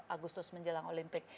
agustus menjelang olimpik